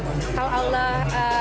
insya allah kalau allah